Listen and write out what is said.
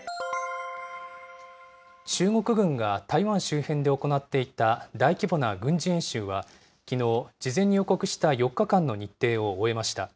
中国軍が台湾周辺で行っていた大規模な軍事演習は、きのう、事前に予告した４日間の日程を終えました。